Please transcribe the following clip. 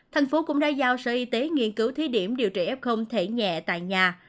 thành phố cũng đã giao sở y tế nghiên cứu thí điểm điều trị f thể nhẹ tại nhà